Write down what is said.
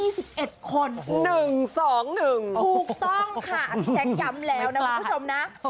ถูกต้องค่ะพี่แจ๊คย้ำแล้วนะคุณผู้ชมนะ